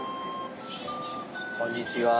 こんにちは。